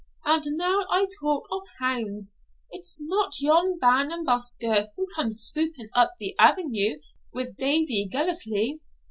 And now I talk of hounds, is not yon Ban and Buscar who come scouping up the avenue with Davie Gellatley?'